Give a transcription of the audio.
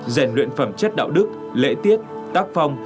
rèn luyện phẩm chất đạo đức lễ tiết tác phong